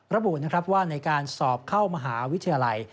ระบุนะครับว่าในการสอบเข้ามหาวิทยาลัย